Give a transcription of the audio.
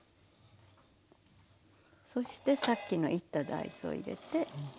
そしてさっきのいった大豆を入れて。